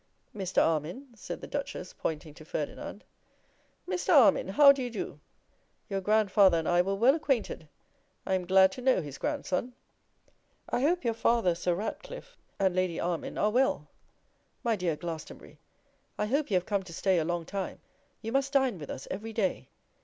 'Mr. Armine,' said the Duchess, pointing to Ferdinand. 'Mr. Armine, how do you do? Your grandfather and I were well acquainted. I am glad to know his grandson. I hope your father, Sir Ratcliffe, and Lady Armine are well. My dear Glastonbury, I hope you have come to stay a long time. You must dine with us every day.